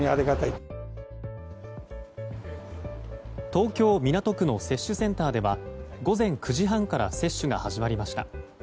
東京・港区の接種センターでは午前９時半から接種が始まりました。